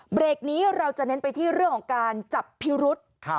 เบรกนี้เราจะเน้นไปที่เรื่องของการจับพิรุษ